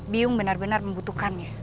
biung benar benar membutuhkannya